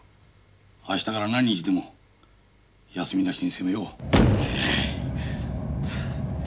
あしたから何日でも休みなしに責めよう。